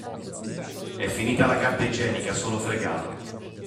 E' finita la carta igienica, sono fregato!